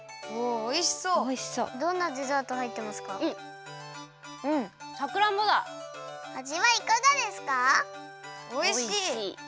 おいしい！